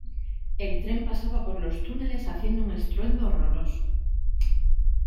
El tren pasaba por los túneles haciendo un estruendo horroroso.